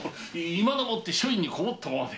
いまだもって書院にこもったままで。